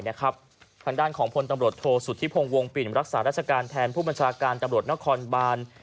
ทางด้านของพลตำรวจโทษสุธิพงศ์วงปิ่นรักษาราชการแทนผู้บัญชาการตำรวจนครบาน